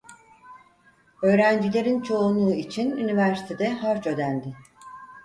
Öğrencilerin çoğunluğu için üniversitede harç ödendi.